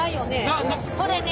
これね。